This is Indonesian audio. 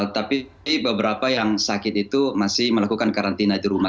tapi beberapa yang sakit itu masih melakukan karantina di rumah